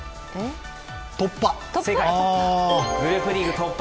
突破！